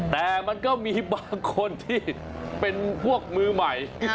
แต่มันก็มีบางคนที่เป็นพวกมือใหม่